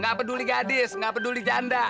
gak peduli gadis nggak peduli janda